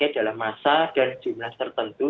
dalam masa dan jumlah tertentu